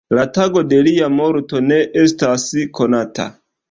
La tago de lia morto ne estas konata.